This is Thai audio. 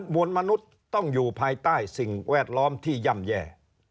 มวลมนุษย์ต้องอยู่ภายใต้สิ่งแวดล้อมที่ย่ำแย่